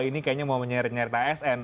ini kayaknya mau menyerit nyerit asn